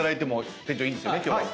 店長いいんですよね今日は。